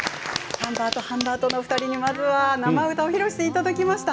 ハンバートハンバートのお二人にまずは生歌を披露していただきました。